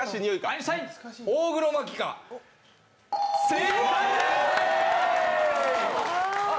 正解です！